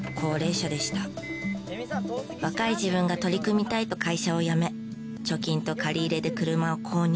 若い自分が取り組みたいと会社を辞め貯金と借り入れで車を購入。